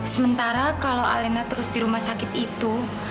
sementara kalau alena terus di rumah sakit itu